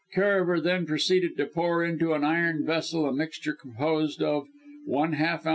Karaver then proceeded to pour into an iron vessel a mixture composed of: 1/2 oz.